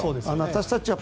私たち